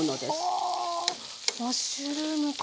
はあマッシュルームか。